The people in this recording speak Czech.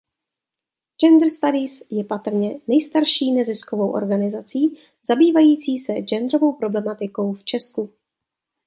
Gender Studies je patrně nejstarší neziskovou organizací zabývající se genderovou problematikou v Česku.